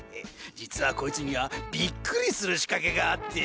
実はこいつにはびっくりする仕掛けがあって。